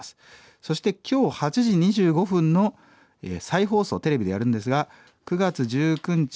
そして今日８時２５分の再放送をテレビでやるんですが９月１９日ん？